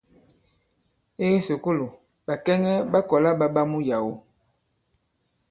I kisùkulù, ɓàkɛŋɛ ɓa kɔ̀la ɓa ɓa muyàwo.